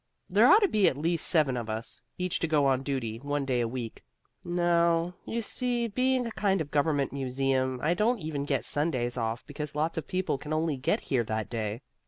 There ought to be at least seven of us, each to go on duty one day a week. No you see, being a kind of government museum, I don't even get Sundays off because lots of people can only get here that day.